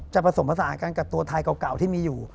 ผสมผสานกันกับตัวไทยเก่าที่มีอยู่